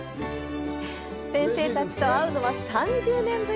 先生たちと会うのは３０年ぶり。